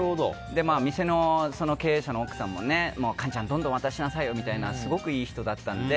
店の経営者の奥さんも寛ちゃん、どんどん渡しなさいよってすごくいい人だったので。